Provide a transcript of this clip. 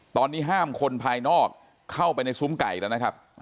ตอนนี้ห้ามคนภายนอกเข้าไปในซุ้มไก่แล้วนะครับ